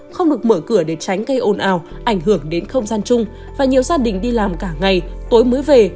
không được mở cửa để tránh gây ồn ào ảnh hưởng đến không gian chung và nhiều gia đình đi làm cả ngày tối mới về